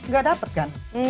gak dapat kan